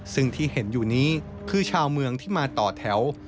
ซึ่งที่เห็นอยู่นี้คือชาวเมืองที่มาต่อแถว